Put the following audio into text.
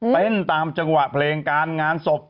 ตามจังหวะเพลงการงานศพ